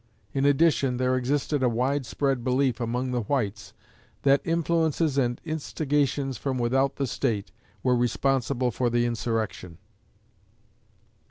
In addition, there existed a wide spread belief among the whites that influences and instigations from without the State were responsible for the insurrection.